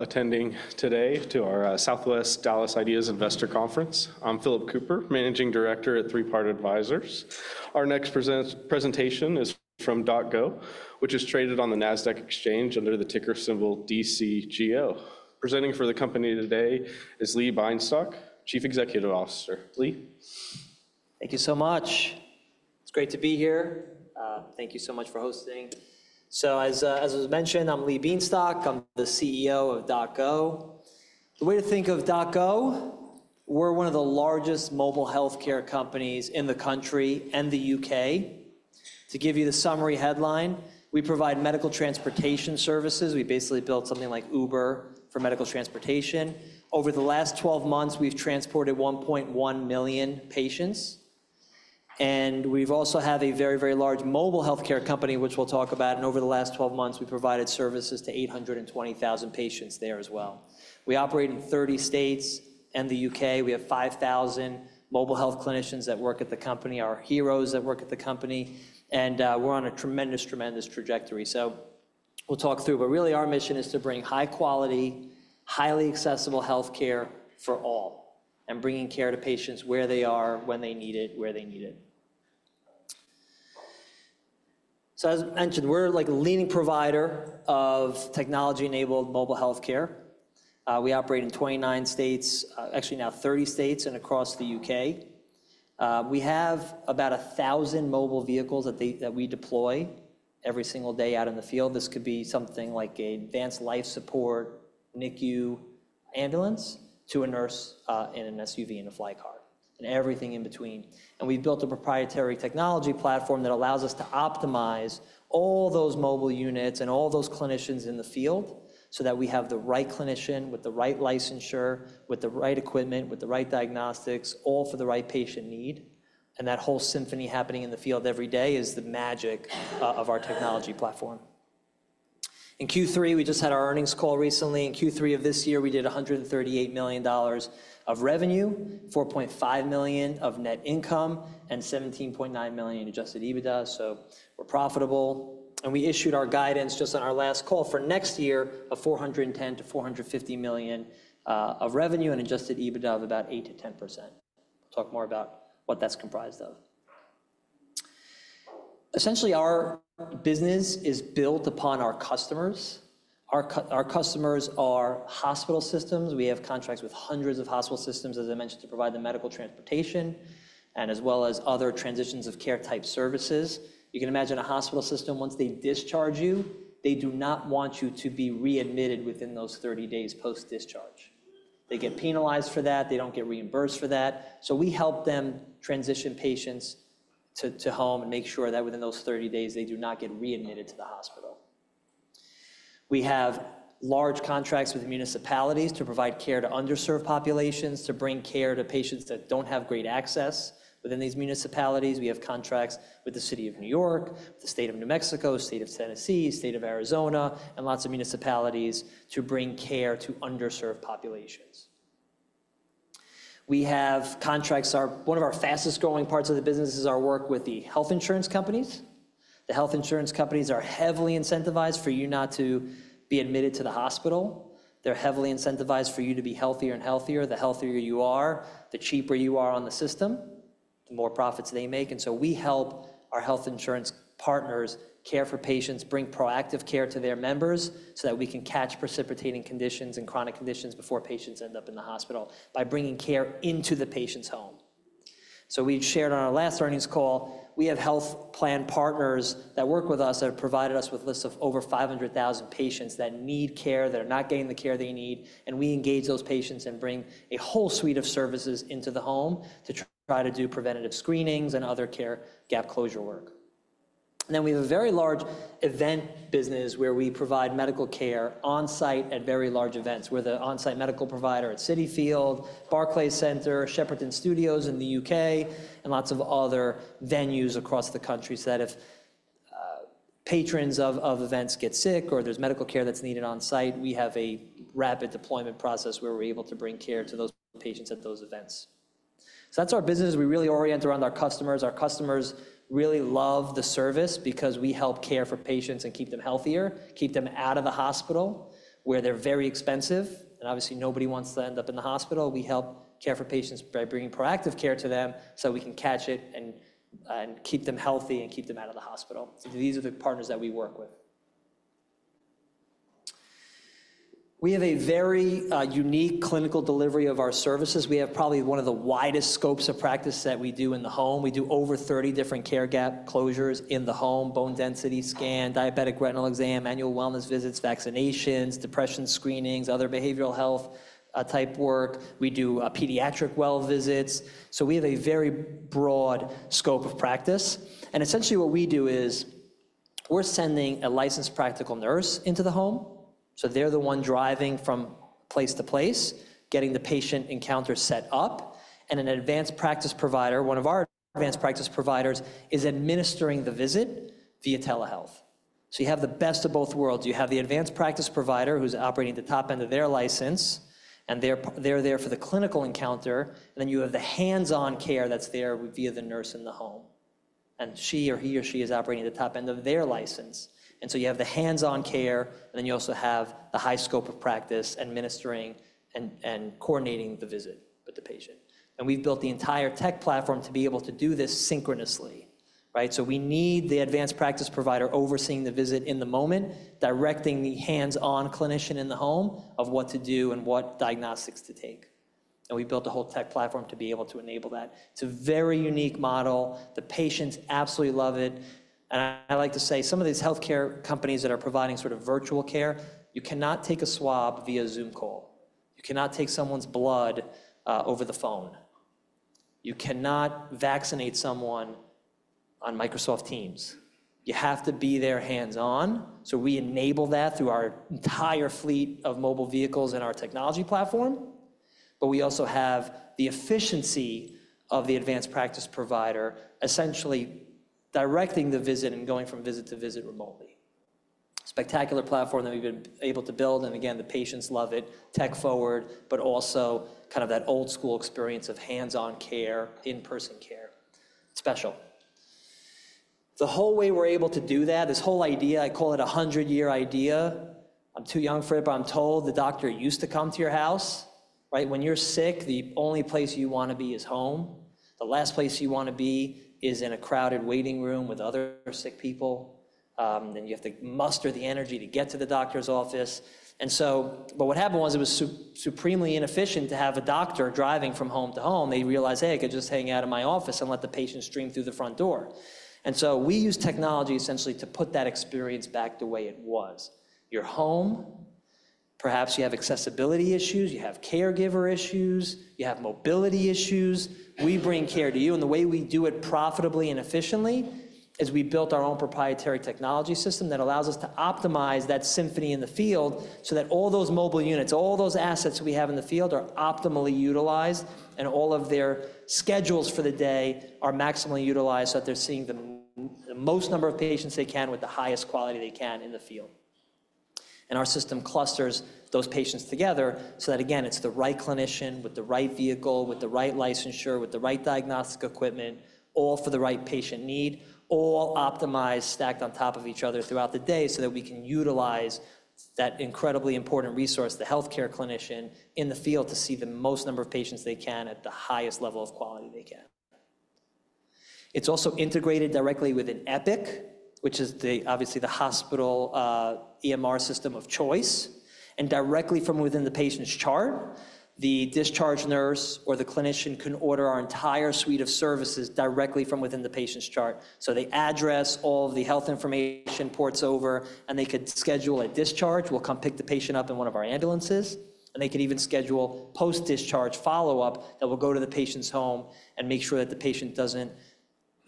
Attending today to our Southwest IDEAS Investor Conference. I'm Phillip Kupper, Managing Director at Three Part Advisors. Our next presentation is from DocGo, which is traded on the Nasdaq Exchange under the ticker symbol DCGO. Presenting for the company today is Lee Bienstock, Chief Executive Officer. Lee. Thank you so much. It's great to be here. Thank you so much for hosting. So, as was mentioned, I'm Lee Bienstock. I'm the CEO of DocGo. The way to think of DocGo, we're one of the largest mobile health care companies in the country and the U.K. To give you the summary headline, we provide medical transportation services. We basically built something like Uber for medical transportation. Over the last 12 months, we've transported 1.1 million patients. And we also have a very, very large mobile health care company, which we'll talk about. And over the last 12 months, we provided services to 820,000 patients there as well. We operate in 30 states and the U.K. We have 5,000 mobile health clinicians that work at the company, our heroes that work at the company. And we're on a tremendous, tremendous trajectory. So we'll talk through. But really, our mission is to bring high-quality, highly accessible health care for all and bringing care to patients where they are, when they need it, where they need it. So, as mentioned, we're like a leading provider of technology-enabled mobile health care. We operate in 29 states, actually now 30 states and across the U.K. We have about 1,000 mobile vehicles that we deploy every single day out in the field. This could be something like an advanced life support, NICU ambulance to a nurse in an SUV in a fly car and everything in between. And we've built a proprietary technology platform that allows us to optimize all those mobile units and all those clinicians in the field so that we have the right clinician with the right licensure, with the right equipment, with the right diagnostics, all for the right patient need. That whole symphony happening in the field every day is the magic of our technology platform. In Q3, we just had our earnings call recently. In Q3 of this year, we did $138 million of revenue, $4.5 million of net income, and $17.9 million in Adjusted EBITDA. We're profitable. We issued our guidance just on our last call for next year of $410-450 million of revenue and Adjusted EBITDA of about 8%-10%. We'll talk more about what that's comprised of. Essentially, our business is built upon our customers. Our customers are hospital systems. We have contracts with hundreds of hospital systems, as I mentioned, to provide the medical transportation and as well as other transitions of care type services. You can imagine a hospital system, once they discharge you, they do not want you to be readmitted within those 30 days post-discharge. They get penalized for that. They don't get reimbursed for that. So we help them transition patients to home and make sure that within those 30 days they do not get readmitted to the hospital. We have large contracts with municipalities to provide care to underserved populations, to bring care to patients that don't have great access within these municipalities. We have contracts with the City of New York, the State of New Mexico, State of Tennessee, State of Arizona, and lots of municipalities to bring care to underserved populations. We have contracts. One of our fastest growing parts of the business is our work with the health insurance companies. The health insurance companies are heavily incentivized for you not to be admitted to the hospital. They're heavily incentivized for you to be healthier and healthier. The healthier you are, the cheaper you are on the system, the more profits they make, and so we help our health insurance partners care for patients, bring proactive care to their members so that we can catch precipitating conditions and chronic conditions before patients end up in the hospital by bringing care into the patient's home, so we shared on our last earnings call, we have health plan partners that work with us that have provided us with lists of over 500,000 patients that need care that are not getting the care they need, and we engage those patients and bring a whole suite of services into the home to try to do preventative screenings and other care gap closure work. And then we have a very large event business where we provide medical care on site at very large events where the on site medical provider at Citi Field, Barclays Center, Shepperton Studios in the U.K., and lots of other venues across the country so that if patrons of events get sick or there's medical care that's needed on site, we have a rapid deployment process where we're able to bring care to those patients at those events. So that's our business. We really orient around our customers. Our customers really love the service because we help care for patients and keep them healthier, keep them out of the hospital where they're very expensive. And obviously, nobody wants to end up in the hospital. We help care for patients by bringing proactive care to them so we can catch it and keep them healthy and keep them out of the hospital. These are the partners that we work with. We have a very unique clinical delivery of our services. We have probably one of the widest scopes of practice that we do in the home. We do over 30 different care gap closures in the home: bone density scan, diabetic retinal exam, annual wellness visits, vaccinations, depression screenings, other behavioral health type work. We do pediatric well visits. So we have a very broad scope of practice. And essentially what we do is we're sending a licensed practical nurse into the home. So they're the one driving from place to place, getting the patient encounter set up. And an advanced practice provider, one of our advanced practice providers, is administering the visit via telehealth. So you have the best of both worlds. You have the advanced practice provider who's operating at the top end of their license, and they're there for the clinical encounter. And then you have the hands-on care that's there via the nurse in the home. And she or he or she is operating at the top end of their license. And so you have the hands-on care, and then you also have the high scope of practice administering and coordinating the visit with the patient. And we've built the entire tech platform to be able to do this synchronously. So we need the advanced practice provider overseeing the visit in the moment, directing the hands-on clinician in the home of what to do and what diagnostics to take. And we built a whole tech platform to be able to enable that. It's a very unique model. The patients absolutely love it, and I like to say some of these health care companies that are providing sort of virtual care. You cannot take a swab via Zoom call. You cannot take someone's blood over the phone. You cannot vaccinate someone on Microsoft Teams. You have to be there hands-on, so we enable that through our entire fleet of mobile vehicles and our technology platform, but we also have the efficiency of the advanced practice provider essentially directing the visit and going from visit to visit remotely. Spectacular platform that we've been able to build, and again, the patients love it, tech forward, but also kind of that old school experience of hands-on care, in-person care. Special. The whole way we're able to do that, this whole idea, I call it a 100-year idea. I'm too young for it, but I'm told the doctor used to come to your house. When you're sick, the only place you want to be is home. The last place you want to be is in a crowded waiting room with other sick people. Then you have to muster the energy to get to the doctor's office. And so what happened was it was supremely inefficient to have a doctor driving from home to home. They realized, hey, I could just hang out in my office and let the patients stream through the front door. And so we use technology essentially to put that experience back the way it was. You're home. Perhaps you have accessibility issues. You have caregiver issues. You have mobility issues. We bring care to you. The way we do it profitably and efficiently is we built our own proprietary technology system that allows us to optimize that symphony in the field so that all those mobile units, all those assets we have in the field are optimally utilized and all of their schedules for the day are maximally utilized so that they're seeing the most number of patients they can with the highest quality they can in the field. Our system clusters those patients together so that, again, it's the right clinician with the right vehicle, with the right licensure, with the right diagnostic equipment, all for the right patient need, all optimized, stacked on top of each other throughout the day so that we can utilize that incredibly important resource, the health care clinician in the field to see the most number of patients they can at the highest level of quality they can. It's also integrated directly with Epic, which is obviously the hospital EMR system of choice. Directly from within the patient's chart, the discharge nurse or the clinician can order our entire suite of services directly from within the patient's chart. They address all of the health information, ports over, and they could schedule a discharge. We'll come pick the patient up in one of our ambulances. They could even schedule post-discharge follow-up that will go to the patient's home and make sure that the patient doesn't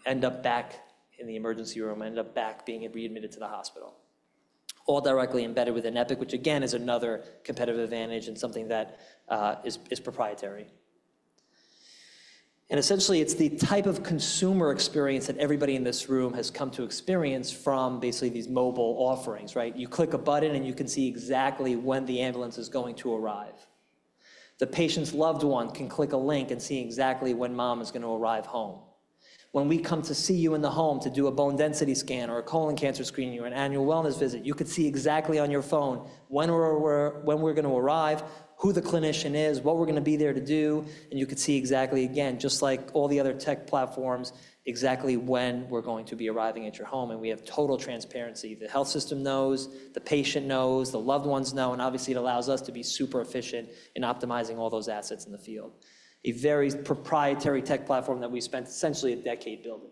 end up back in the emergency room, end up back being readmitted to the hospital. All directly embedded within Epic, which again is another competitive advantage and something that is proprietary. Essentially, it's the type of consumer experience that everybody in this room has come to experience from basically these mobile offerings. You click a button and you can see exactly when the ambulance is going to arrive. The patient's loved one can click a link and see exactly when mom is going to arrive home. When we come to see you in the home to do a bone density scan or a colon cancer screen or an annual wellness visit, you could see exactly on your phone when we're going to arrive, who the clinician is, what we're going to be there to do, and you could see exactly, again, just like all the other tech platforms, exactly when we're going to be arriving at your home, and we have total transparency. The health system knows, the patient knows, the loved ones know, and obviously, it allows us to be super efficient in optimizing all those assets in the field, a very proprietary tech platform that we spent essentially a decade building.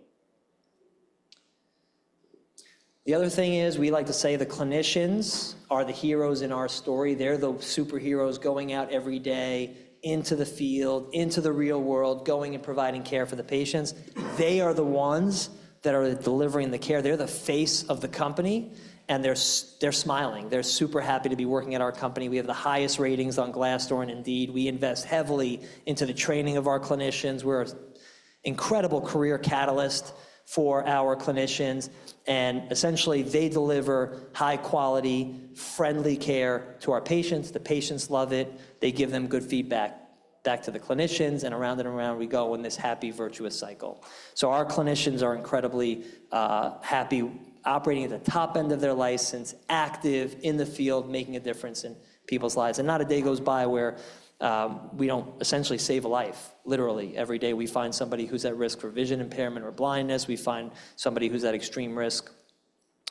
The other thing is we like to say the clinicians are the heroes in our story. They're the superheroes going out every day into the field, into the real world, going and providing care for the patients. They are the ones that are delivering the care. They're the face of the company. And they're smiling. They're super happy to be working at our company. We have the highest ratings on Glassdoor and Indeed. We invest heavily into the training of our clinicians. We're an incredible career catalyst for our clinicians. And essentially, they deliver high-quality, friendly care to our patients. The patients love it. They give them good feedback back to the clinicians. And around and around we go in this happy, virtuous cycle. So our clinicians are incredibly happy operating at the top end of their license, active in the field, making a difference in people's lives. And not a day goes by where we don't essentially save a life. Literally, every day we find somebody who's at risk for vision impairment or blindness. We find somebody who's at extreme risk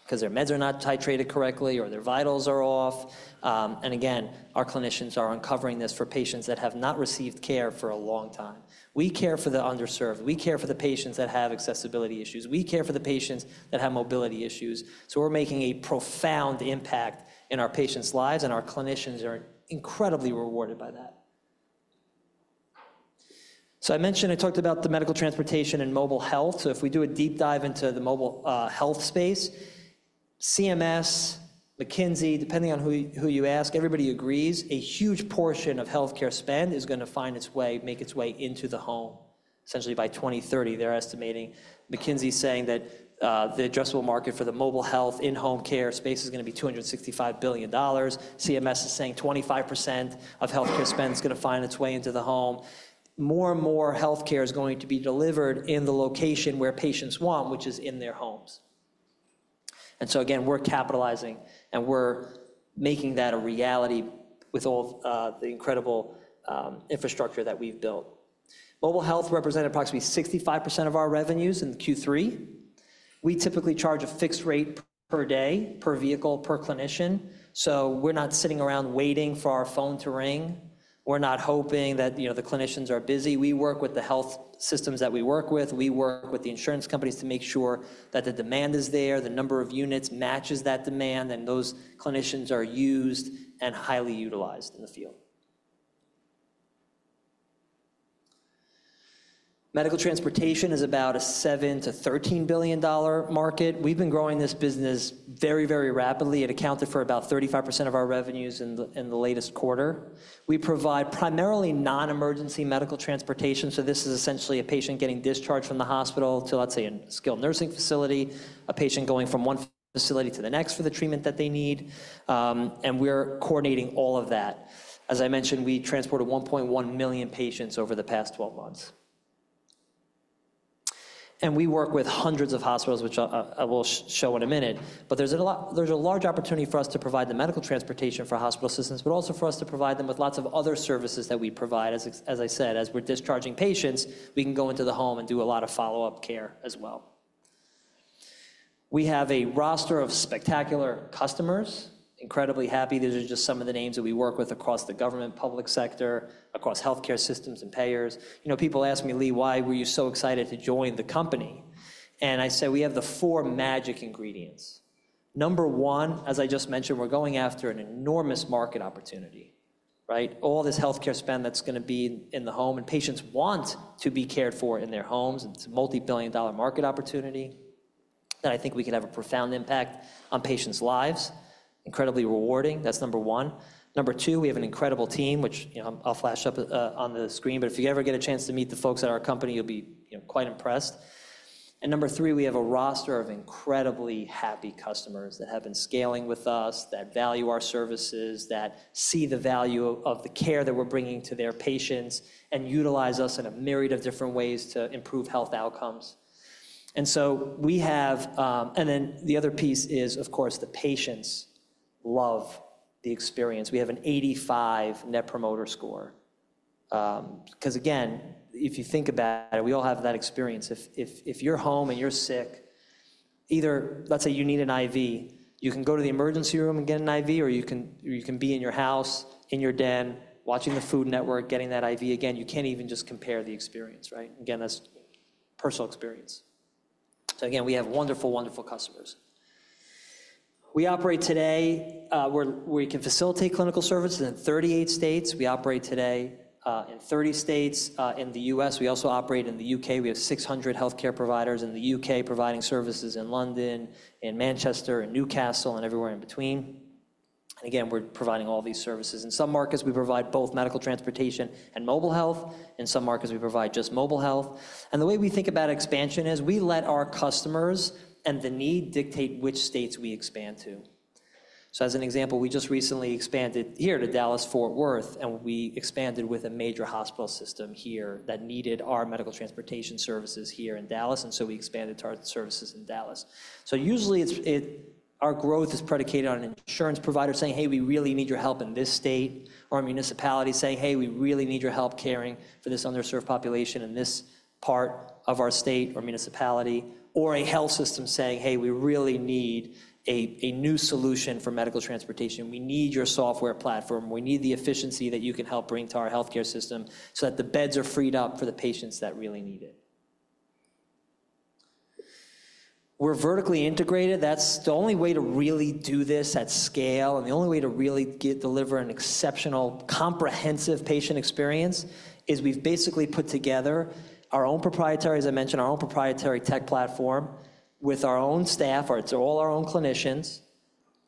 because their meds are not titrated correctly or their vitals are off. And again, our clinicians are uncovering this for patients that have not received care for a long time. We care for the underserved. We care for the patients that have accessibility issues. We care for the patients that have mobility issues. So we're making a profound impact in our patients' lives. And our clinicians are incredibly rewarded by that. So I mentioned I talked about the medical transportation and mobile health. So if we do a deep dive into the mobile health space, CMS, McKinsey, depending on who you ask, everybody agrees a huge portion of health care spend is going to find its way, make its way into the home. Essentially, by 2030, they're estimating. McKinsey is saying that the addressable market for the mobile health in-home care space is going to be $265 billion. CMS is saying 25% of health care spend is going to find its way into the home. More and more health care is going to be delivered in the location where patients want, which is in their homes, and so again, we're capitalizing and we're making that a reality with all the incredible infrastructure that we've built. Mobile health represented approximately 65% of our revenues in Q3. We typically charge a fixed rate per day, per vehicle, per clinician. So we're not sitting around waiting for our phone to ring. We're not hoping that the clinicians are busy. We work with the health systems that we work with. We work with the insurance companies to make sure that the demand is there, the number of units matches that demand, and those clinicians are used and highly utilized. Medical transportation is about a $7 billion-$13 billion market. We've been growing this business very, very rapidly. It accounted for about 35% of our revenues in the latest quarter. We provide primarily non-emergency medical transportation. So this is essentially a patient getting discharged from the hospital to, let's say, a skilled nursing facility, a patient going from one facility to the next for the treatment that they need, and we're coordinating all of that. As I mentioned, we transported 1.1 million patients over the past 12 months, and we work with hundreds of hospitals, which I will show in a minute. But there's a large opportunity for us to provide the medical transportation for hospital systems, but also for us to provide them with lots of other services that we provide. As I said, as we're discharging patients, we can go into the home and do a lot of follow-up care as well. We have a roster of spectacular customers. Incredibly happy. These are just some of the names that we work with across the government, public sector, across health care systems and payers. People ask me, "Lee, why were you so excited to join the company?" And I say, "We have the four magic ingredients." Number one, as I just mentioned, we're going after an enormous market opportunity. All this health care spend that's going to be in the home, and patients want to be cared for in their homes. It's a multi-billion-dollar market opportunity that I think we can have a profound impact on patients' lives. Incredibly rewarding. That's number one. Number two, we have an incredible team, which I'll flash up on the screen. But if you ever get a chance to meet the folks at our company, you'll be quite impressed. And number three, we have a roster of incredibly happy customers that have been scaling with us, that value our services, that see the value of the care that we're bringing to their patients, and utilize us in a myriad of different ways to improve health outcomes. And so we have, and then the other piece is, of course, the patients love the experience. We have an 85 Net Promoter Score. Because again, if you think about it, we all have that experience. If you're home and you're sick, either let's say you need an IV, you can go to the emergency room and get an IV, or you can be in your house, in your den, watching the Food Network, getting that IV. Again, you can't even just compare the experience. Again, that's personal experience. So again, we have wonderful, wonderful customers. We operate today where we can facilitate clinical service in 38 states. We operate today in 30 states in the U.S. We also operate in the U.K. We have 600 health care providers in the U.K. providing services in London, in Manchester, in Newcastle, and everywhere in between, and again, we're providing all these services. In some markets, we provide both medical transportation and mobile health. In some markets, we provide just mobile health. The way we think about expansion is we let our customers and the need dictate which states we expand to. So as an example, we just recently expanded here to Dallas-Fort Worth, and we expanded with a major hospital system here that needed our medical transportation services here in Dallas. We expanded our services in Dallas. Usually, our growth is predicated on an insurance provider saying, "Hey, we really need your help in this state," or a municipality saying, "Hey, we really need your help caring for this underserved population in this part of our state or municipality," or a health system saying, "Hey, we really need a new solution for medical transportation. We need your software platform. We need the efficiency that you can help bring to our health care system so that the beds are freed up for the patients that really need it. We're vertically integrated. That's the only way to really do this at scale. And the only way to really deliver an exceptional, comprehensive patient experience is we've basically put together our own proprietary, as I mentioned, our own proprietary tech platform with our own staff. It's all our own clinicians.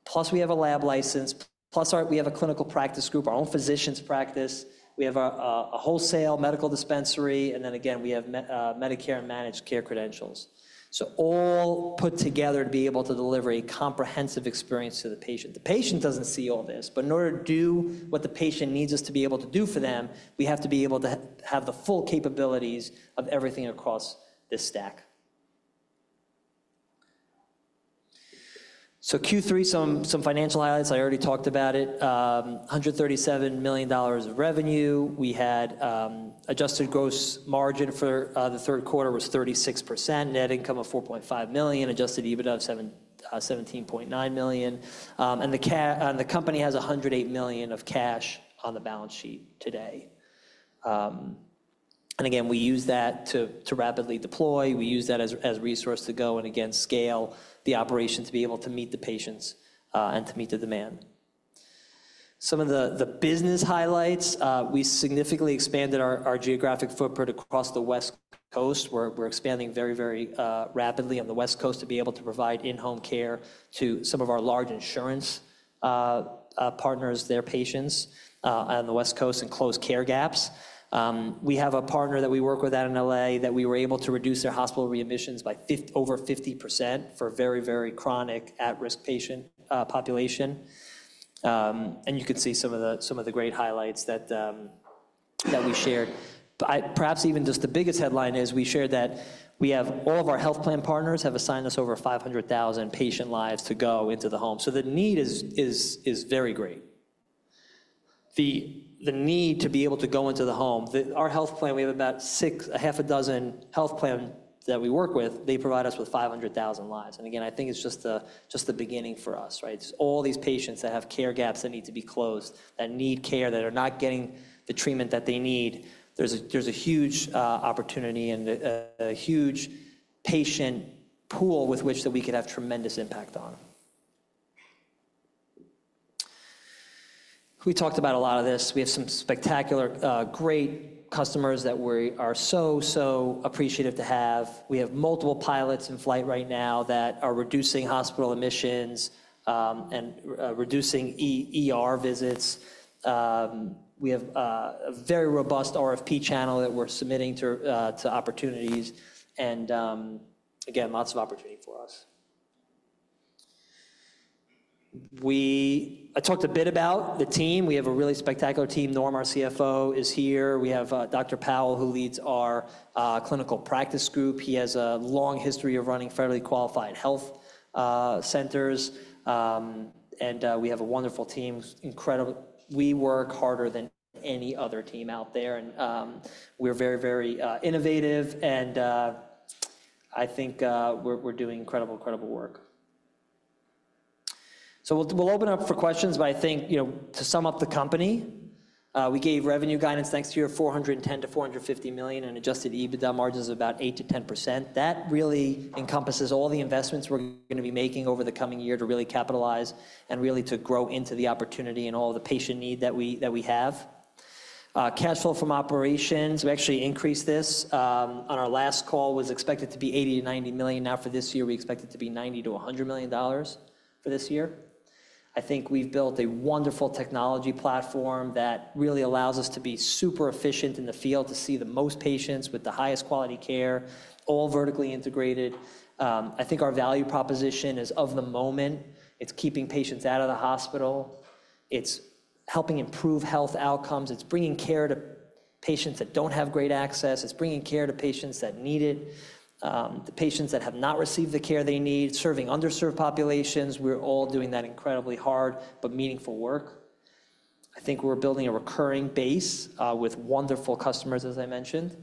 Plus, we have a lab license. Plus, we have a clinical practice group, our own physician's practice. We have a wholesale medical dispensary. And then again, we have Medicare and managed care credentials. So all put together to be able to deliver a comprehensive experience to the patient. The patient doesn't see all this. But in order to do what the patient needs us to be able to do for them, we have to be able to have the full capabilities of everything across this stack. So Q3, some financial highlights. I already talked about it. $137 million of revenue. We had adjusted gross margin for the third quarter was 36%, net income of $4.5 million, adjusted EBITDA of $17.9 million. And the company has $108 million of cash on the balance sheet today. And again, we use that to rapidly deploy. We use that as a resource to go and, again, scale the operation to be able to meet the patients and to meet the demand. Some of the business highlights. We significantly expanded our geographic footprint across the West Coast. We're expanding very, very rapidly on the West Coast to be able to provide in-home care to some of our large insurance partners, their patients on the West Coast and close care gaps. We have a partner that we work with out in LA that we were able to reduce their hospital readmissions by over 50% for very, very chronic at-risk patient population. And you could see some of the great highlights that we shared. Perhaps even just the biggest headline is we shared that all of our health plan partners have assigned us over 500,000 patient lives to go into the home. So the need is very great. The need to be able to go into the home. Our health plan, we have about a half a dozen health plan that we work with. They provide us with 500,000 lives. Again, I think it's just the beginning for us. It's all these patients that have care gaps that need to be closed, that need care, that are not getting the treatment that they need. There's a huge opportunity and a huge patient pool with which we could have tremendous impact on. We talked about a lot of this. We have some spectacular, great customers that we are so, so appreciative to have. We have multiple pilots in flight right now that are reducing hospital admissions and reducing visits. We have a very robust RFP channel that we're submitting to opportunities. Again, lots of opportunity for us. I talked a bit about the team. We have a really spectacular team. Norm, our CFO, is here. We have Dr. Powell, who leads our clinical practice group. He has a long history of running Federally Qualified Health Centers. We have a wonderful team. We work harder than any other team out there. We're very, very innovative. I think we're doing incredible, incredible work. We'll open up for questions. I think to sum up the company, we gave revenue guidance next year of $410-$450 million and Adjusted EBITDA margins of about 8%-10%. That really encompasses all the investments we're going to be making over the coming year to really capitalize and really to grow into the opportunity and all the patient need that we have. Cash flow from operations, we actually increased this on our last call, was expected to be $80-$90 million. Now for this year, we expect it to be $90-$100 million for this year. I think we've built a wonderful technology platform that really allows us to be super efficient in the field to see the most patients with the highest quality care, all vertically integrated. I think our value proposition is of the moment. It's keeping patients out of the hospital. It's helping improve health outcomes. It's bringing care to patients that don't have great access. It's bringing care to patients that need it, the patients that have not received the care they need, serving underserved populations. We're all doing that incredibly hard, but meaningful work. I think we're building a recurring base with wonderful customers, as I mentioned.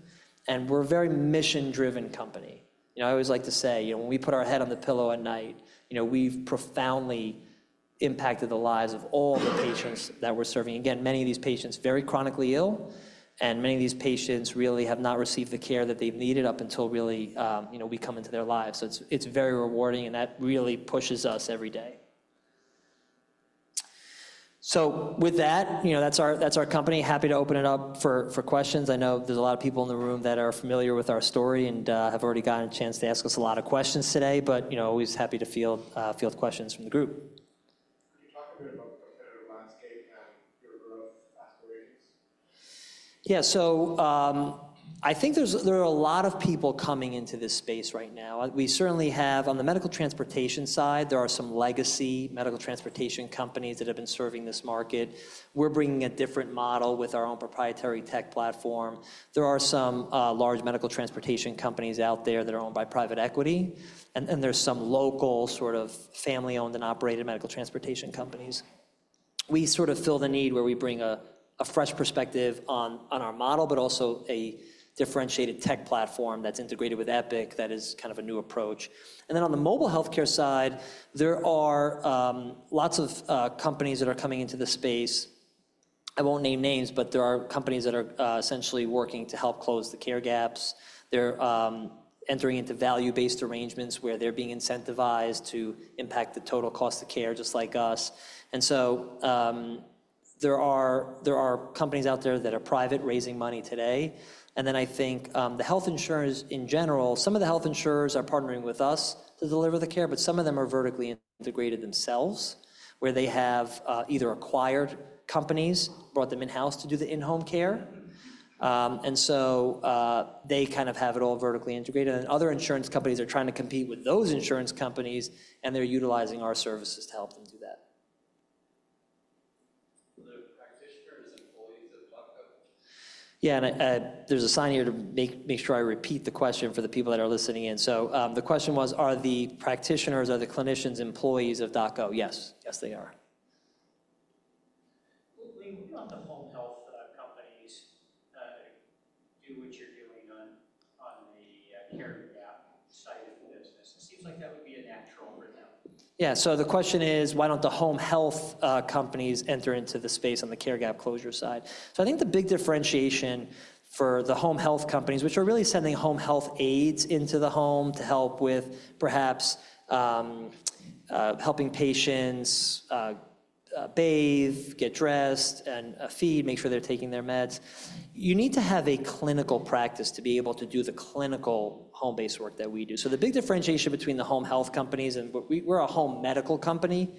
And we're a very mission-driven company. I always like to say, when we put our head on the pillow at night, we've profoundly impacted the lives of all the patients that we're serving. Again, many of these patients are very chronically ill. And many of these patients really have not received the care that they needed up until really we come into their lives. So it's very rewarding. And that really pushes us every day. So with that, that's our company. Happy to open it up for questions. I know there's a lot of people in the room that are familiar with our story and have already gotten a chance to ask us a lot of questions today. But always happy to field questions from the group. [Can you talk a bit about the competitive landscape and your growth aspirations?] Yeah. So I think there are a lot of people coming into this space right now. We certainly have on the medical transportation side, there are some legacy medical transportation companies that have been serving this market. We're bringing a different model with our own proprietary tech platform. There are some large medical transportation companies out there that are owned by private equity. And there's some local sort of family-owned and operated medical transportation companies. We sort of fill the need where we bring a fresh perspective on our model, but also a differentiated tech platform that's integrated with Epic that is kind of a new approach. And then on the mobile health care side, there are lots of companies that are coming into the space. I won't name names, but there are companies that are essentially working to help close the care gaps. They're entering into value-based arrangements where they're being incentivized to impact the total cost of care just like us. And so there are companies out there that are private raising money today. And then I think the health insurers in general. Some of the health insurers are partnering with us to deliver the care, but some of them are vertically integrated themselves, where they have either acquired companies, brought them in-house to do the in-home care. And so they kind of have it all vertically integrated. And other insurance companies are trying to compete with those insurance companies, and they're utilizing our services to help them do that. [No Audio] [Are the practitioners employees of DocGo?] Yeah. And there's a sign here to make sure I repeat the question for the people that are listening in. So the question was, are the practitioners, are the clinicians employees of DocGo? Yes. Yes, they are. Lee, why don't the home health companies do what you're doing on the care gap side of the business? It seems like that would be a natural for them. Yeah. So the question is, why don't the home health companies enter into the space on the care gap closure side? So I think the big differentiation for the home health companies, which are really sending home health aides into the home to help with perhaps helping patients bathe, get dressed, and feed, make sure they're taking their meds. You need to have a clinical practice to be able to do the clinical home-based work that we do. So the big differentiation between the home health companies and we're a home medical company.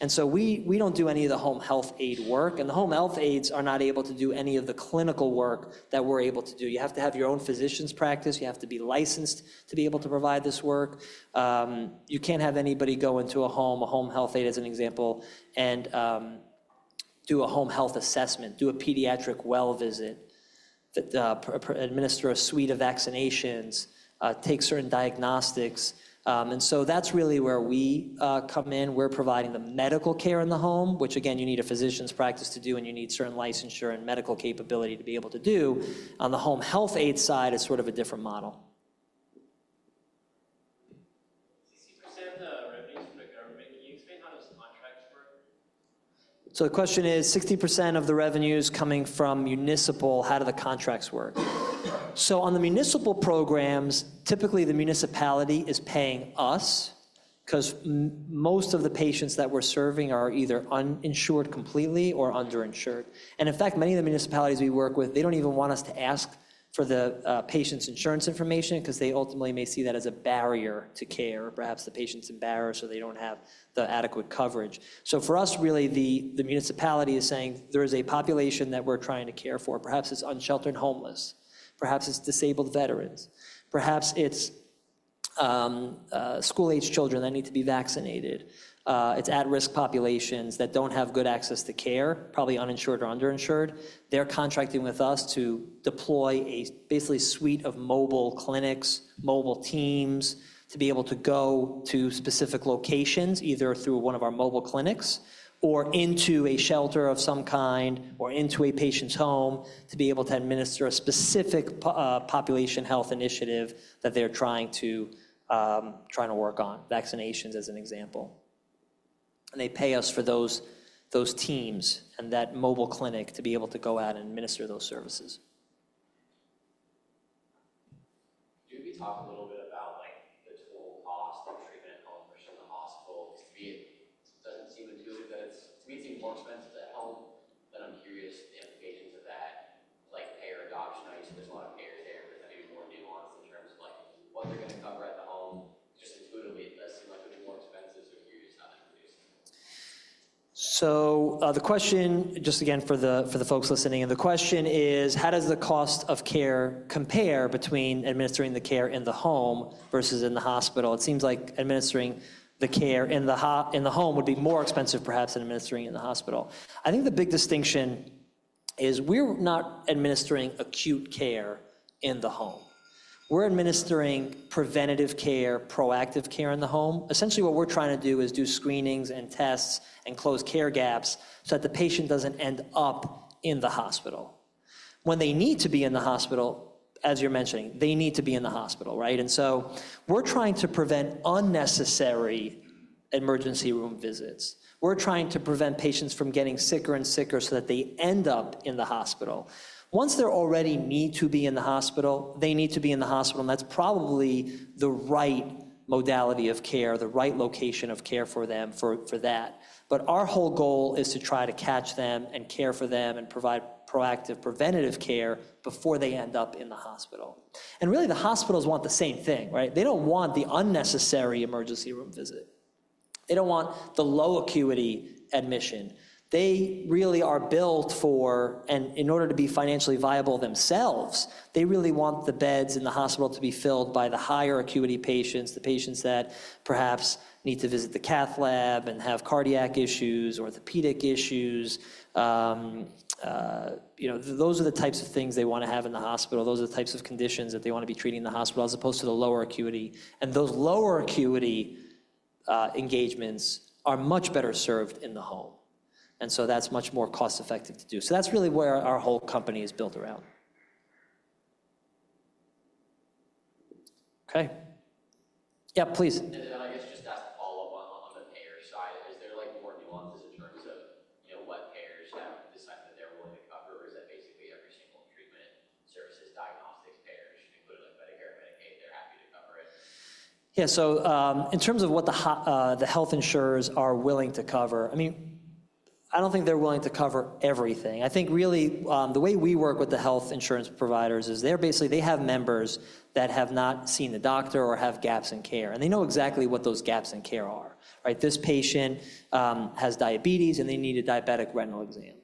And so we don't do any of the home health aid work. And the home health aides are not able to do any of the clinical work that we're able to do. You have to have your own physician's practice. You have to be licensed to be able to provide this work. You can't have anybody go into a home, a home health aide, as an example, and do a home health assessment, do a pediatric well visit, administer a suite of vaccinations, take certain diagnostics, and so that's really where we come in. We're providing the medical care in the home, which, again, you need a physician's practice to do, and you need certain licensure and medical capability to be able to do. On the home health aide side, it's sort of a different model. 60% of the revenues for the government, can you explain how those contracts work? So the question is, 60% of the revenues coming from municipal, how do the contracts work? So on the municipal programs, typically the municipality is paying us because most of the patients that we're serving are either uninsured completely or underinsured. In fact, many of the municipalities we work with, they don't even want us to ask for the patient's insurance information because they ultimately may see that as a barrier to care. Perhaps the patient's embarrassed or they don't have the adequate coverage. For us, really, the municipality is saying there is a population that we're trying to care for. Perhaps it's unsheltered homeless. Perhaps it's disabled veterans. Perhaps it's school-aged children that need to be vaccinated. It's at-risk populations that don't have good access to care, probably uninsured or underinsured. They're contracting with us to deploy basically a suite of mobile clinics, mobile teams to be able to go to specific locations, either through one of our mobile clinics or into a shelter of some kind or into a patient's home to be able to administer a specific population health initiative that they're trying to work on. Vaccinations as an example. They pay us for those teams and that mobile clinic to be able to go out and administer those services. Could you maybe talk a little bit about the total cost of treatment We're administering preventative care, proactive care in the home. Essentially, what we're trying to do is do screenings and tests and close care gaps so that the patient doesn't end up in the hospital. When they need to be in the hospital, as you're mentioning, they need to be in the hospital. And so we're trying to prevent unnecessary emergency room visits. We're trying to prevent patients from getting sicker and sicker so that they end up in the hospital. Once they already need to be in the hospital, they need to be in the hospital. And that's probably the right modality of care, the right location of care for them for that. But our whole goal is to try to catch them and care for them and provide proactive preventative care before they end up in the hospital. And really, the hospitals want the same thing. They don't want the unnecessary emergency room visit. They don't want the low acuity admission. They really are built for, and in order to be financially viable themselves, they really want the beds in the hospital to be filled by the higher acuity patients, the patients that perhaps need to visit the cath lab and have cardiac issues, orthopedic issues. Those are the types of things they want to have in the hospital. Those are the types of conditions that they want to be treating in the hospital as opposed to the lower acuity. And those lower acuity engagements are much better served in the home. And so that's much more cost-effective to do. So that's really where our whole company is built around. Okay. Yeah, please. And I guess just as a follow-up on the payer side, is there more nuances in terms of what payers have decided that they're willing to cover? Or is that basically every single treatment, services, diagnostics, payers, including Medicare and Medicaid, they're happy to cover it? Yeah. So in terms of what the health insurers are willing to cover, I mean, I don't think they're willing to cover everything. I think really the way we work with the health insurance providers is they have members that have not seen the doctor or have gaps in care. And they know exactly what those gaps in care are. This patient has diabetes, and they need a diabetic retinal exam.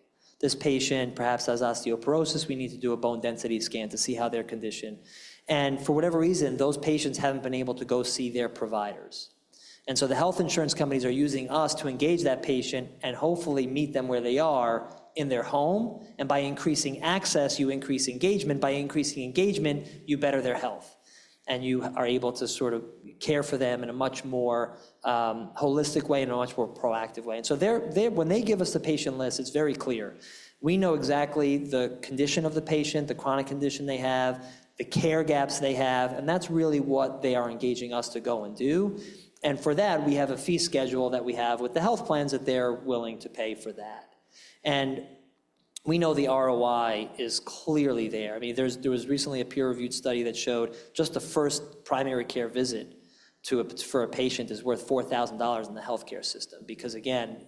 This patient perhaps has osteoporosis. We need to do a bone density scan to see how their condition. And for whatever reason, those patients haven't been able to go see their providers. And so the health insurance companies are using us to engage that patient and hopefully meet them where they are in their home. And by increasing access, you increase engagement. By increasing engagement, you better their health. And you are able to sort of care for them in a much more holistic way and a much more proactive way. And so when they give us the patient list, it's very clear. We know exactly the condition of the patient, the chronic condition they have, the care gaps they have. And that's really what they are engaging us to go and do. And for that, we have a fee schedule that we have with the health plans that they're willing to pay for that. And we know the ROI is clearly there. I mean, there was recently a peer-reviewed study that showed just the first primary care visit for a patient is worth $4,000 in the healthcare system because, again,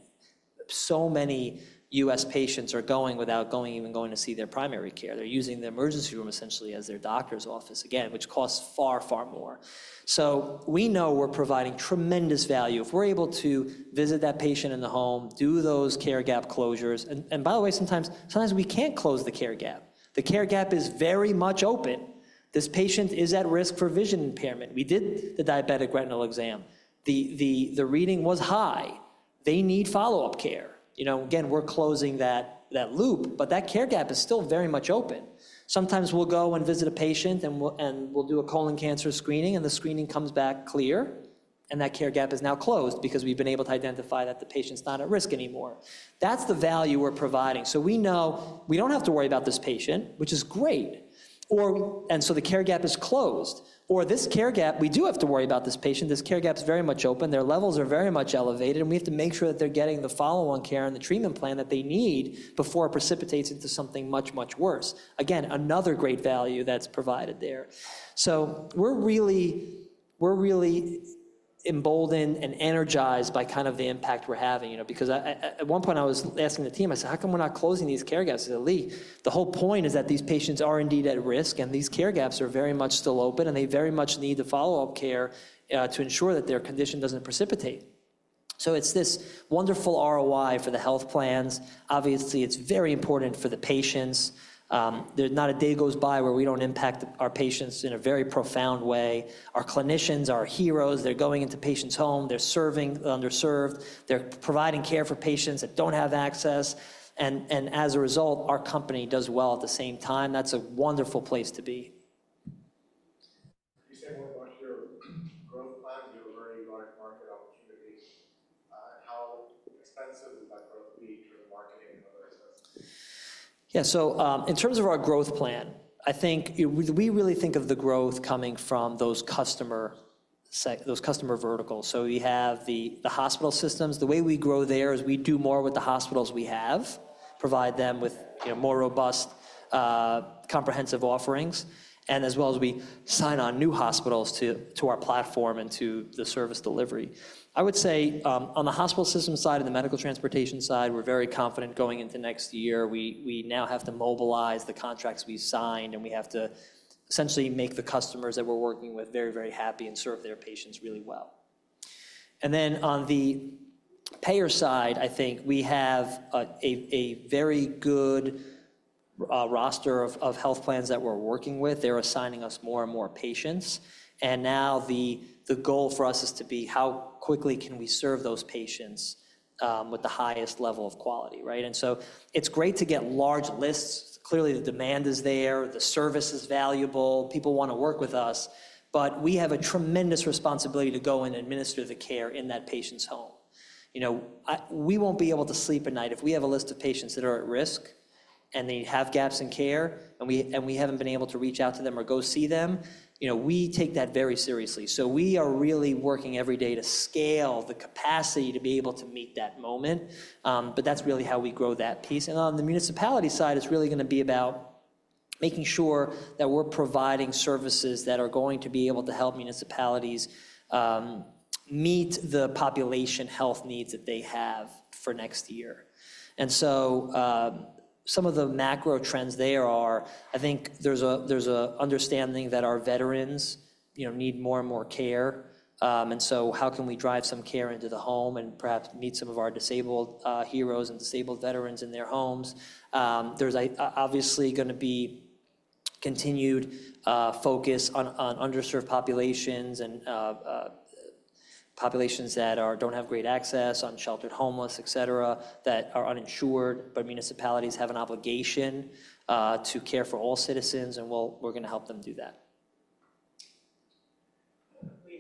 so many U.S. patients are going without even going to see their primary care. They're using the emergency room essentially as their doctor's office, again, which costs far, far more. So we know we're providing tremendous value if we're able to visit that patient in the home, do those care gap closures. And by the way, sometimes we can't close the care gap. The care gap is very much open. This patient is at risk for vision impairment. We did the diabetic retinal exam. The reading was high. They need follow-up care. Again, we're closing that loop, but that care gap is still very much open. Sometimes we'll go and visit a patient, and we'll do a colon cancer screening, and the screening comes back clear, and that care gap is now closed because we've been able to identify that the patient's not at risk anymore. That's the value we're providing. So we know we don't have to worry about this patient, which is great. And so the care gap is closed. Or this care gap, we do have to worry about this patient. This care gap is very much open. Their levels are very much elevated. And we have to make sure that they're getting the follow-on care and the treatment plan that they need before it precipitates into something much, much worse. Again, another great value that's provided there. So we're really emboldened and energized by kind of the impact we're having. Because at one point, I was asking the team. I said, "How come we're not closing these care gaps?" I said, "Lee, the whole point is that these patients are indeed at risk, and these care gaps are very much still open, and they very much need the follow-up care to ensure that their condition doesn't precipitate." So it's this wonderful ROI for the health plans. Obviously, it's very important for the patients. Not a day goes by where we don't impact our patients in a very profound way. Our clinicians are heroes. They're going into patients' homes. They're serving the underserved. They're providing care for patients that don't have access. And as a result, our company does well at the same time. That's a wonderful place to be. Could you say more about your growth plan? You're learning about market opportunities. [No Audio] How expensive would that growth be for the marketing and other assets? Yeah, so in terms of our growth plan, I think we really think of the growth coming from those customer verticals, so we have the hospital systems. The way we grow there is we do more with the hospitals we have, provide them with more robust comprehensive offerings, and as well as we sign on new hospitals to our platform and to the service delivery. I would say on the hospital system side and the medical transportation side, we're very confident going into next year. We now have to mobilize the contracts we signed, and we have to essentially make the customers that we're working with very, very happy and serve their patients really well, and then on the payer side, I think we have a very good roster of health plans that we're working with. They're assigning us more and more patients, and now the goal for us is to be how quickly can we serve those patients with the highest level of quality, and so it's great to get large lists. Clearly, the demand is there. The service is valuable. People want to work with us, but we have a tremendous responsibility to go and administer the care in that patient's home. We won't be able to sleep at night if we have a list of patients that are at risk and they have gaps in care and we haven't been able to reach out to them or go see them. We take that very seriously, so we are really working every day to scale the capacity to be able to meet that moment, but that's really how we grow that piece. And on the municipality side, it's really going to be about making sure that we're providing services that are going to be able to help municipalities meet the population health needs that they have for next year. And so some of the macro trends there are. I think there's an understanding that our veterans need more and more care. And so how can we drive some care into the home and perhaps meet some of our disabled heroes and disabled veterans in their homes? There's obviously going to be continued focus on underserved populations and populations that don't have great access, unsheltered, homeless, etc., that are uninsured. But municipalities have an obligation to care for all citizens, and we're going to help them do that.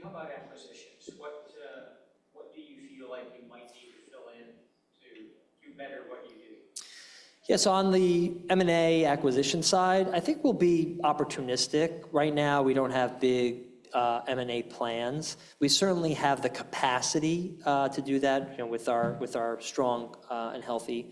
How about acquisitions? What do you feel like you might need to fill in to do better what you do? Yeah. On the M&A acquisition side, I think we'll be opportunistic. Right now, we don't have big M&A plans. We certainly have the capacity to do that with our strong and healthy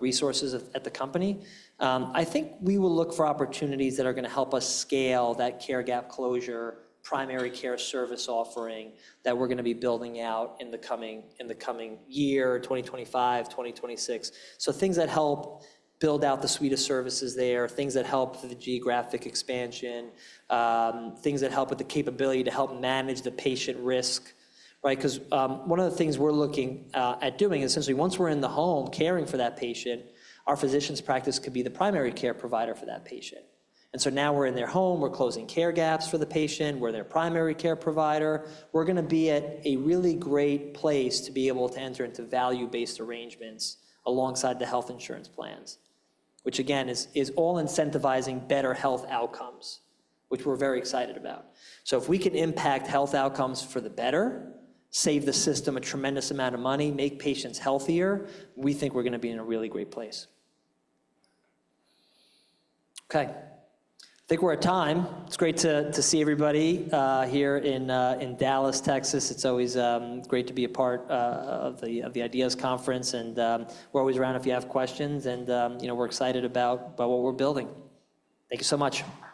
resources at the company. I think we will look for opportunities that are going to help us scale that care gap closure, primary care service offering that we're going to be building out in the coming year, 2025, 2026. So things that help build out the suite of services there, things that help the geographic expansion, things that help with the capability to help manage the patient risk. Because one of the things we're looking at doing is essentially once we're in the home caring for that patient, our physician's practice could be the primary care provider for that patient. And so now we're in their home. We're closing care gaps for the patient. We're their primary care provider. We're going to be at a really great place to be able to enter into value-based arrangements alongside the health insurance plans, which, again, is all incentivizing better health outcomes, which we're very excited about. So if we can impact health outcomes for the better, save the system a tremendous amount of money, make patients healthier, we think we're going to be in a really great place. Okay. I think we're at time. It's great to see everybody here in Dallas, Texas. It's always great to be a part of the IDEAS Conference. And we're always around if you have questions. And we're excited about what we're building. Thank you so much.